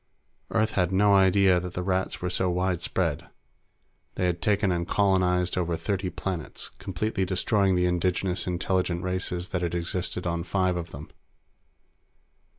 Earth had no idea that the Rats were so widespread. They had taken and colonized over thirty planets, completely destroying the indigenous intelligent races that had existed on five of them.